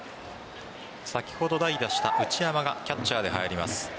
先ほど代打した内山がキャッチャーで入ります。